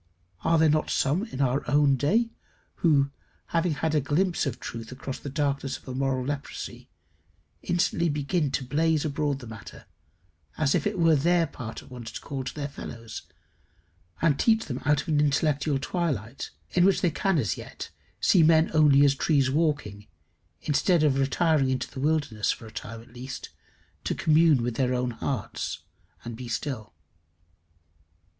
Are there not some in our own day, who, having had a glimpse of truth across the darkness of a moral leprosy, instantly begin to blaze abroad the matter, as if it were their part at once to call to their fellows, and teach them out of an intellectual twilight, in which they can as yet see men only as trees walking, instead of retiring into the wilderness, for a time at least, to commune with their own hearts, and be still?